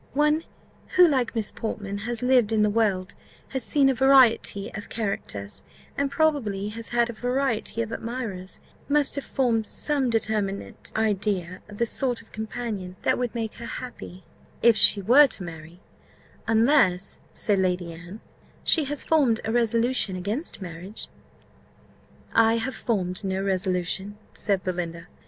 One who, like Miss Portman, has lived in the world, has seen a variety of characters, and probably has had a variety of admirers, must have formed some determinate idea of the sort of companion that would make her happy, if she were to marry unless," said Lady Anne, "she has formed a resolution against marriage." "I have formed no such resolution," said Belinda.